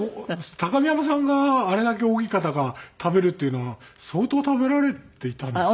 高見山さんがあれだけ大きい方が「食べる」って言うのは相当食べられていたんですね。